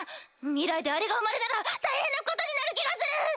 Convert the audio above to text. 未来であれが生まれたら大変なことになる気がする！